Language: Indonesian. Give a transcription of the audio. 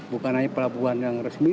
bukan hanya pelabuhan yang resmi